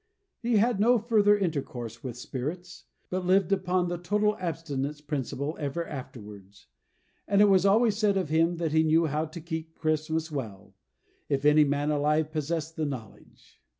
He had no further intercourse with Spirits, but lived upon the Total Abstinence Principle ever afterwards; and it was always said of him, that he knew how to keep Christmas well, if any man alive possessed the knowledge.